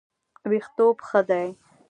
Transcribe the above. ویښتوب ښه دی.